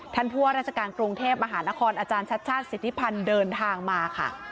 ท่านพัวราชการกรุงเทพฯมหานครอาจารย์ชัชชาติศิษภัณฑ์เดินทางมาค่ะ